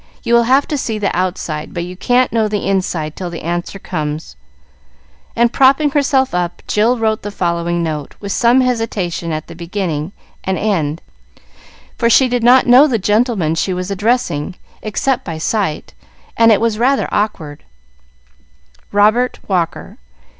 You will have to see the outside, but you can't know the inside till the answer comes;" and propping herself up, Jill wrote the following note, with some hesitation at the beginning and end, for she did not know the gentleman she was addressing, except by sight, and it was rather awkward: "Robert Walker.